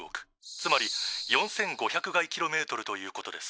つまり４，５００垓ｋｍということです」。